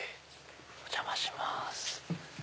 お邪魔します。